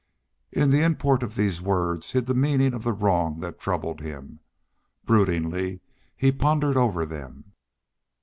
In the import of these words hid the meaning of the wrong that troubled him. Broodingly he pondered over them.